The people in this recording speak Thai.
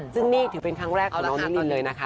ซึ่งนี่ถือเป็นครั้งแรกของน้องนินเลยนะคะ